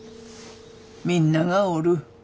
みんながおる。